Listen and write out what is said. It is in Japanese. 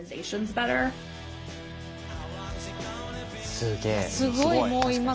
すげえ。